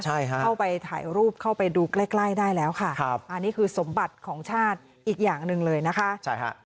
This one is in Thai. เข้าไปถ่ายรูปเข้าไปดูใกล้ได้แล้วค่ะอันนี้คือสมบัติของชาติอีกอย่างหนึ่งเลยนะคะ